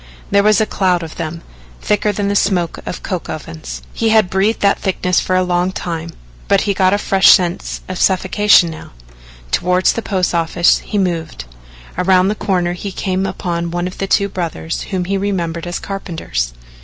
There was a cloud of them thicker than the smoke of coke ovens. He had breathed that thickness for a long time, but he got a fresh sense of suffocation now. Toward the post office he moved. Around the corner he came upon one of two brothers whom he remembered as carpenters.